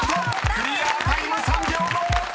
クリアタイム３秒５］